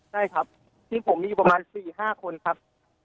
ใช่ครับที่ผมมีอยู่ประมาณ๔๕คนครับ